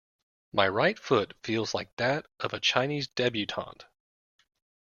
My right foot feels like that of a Chinese debutante.